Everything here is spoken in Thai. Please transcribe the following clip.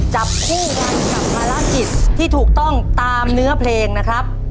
จับคู่กันกับภารกิจที่ถูกต้องตามเนื้อเพลงนะครับ